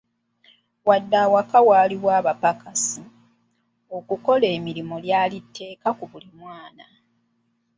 Wadde awaka waaliwo abapakasi, okukola emirimu lyali tteeka ku buli mwana.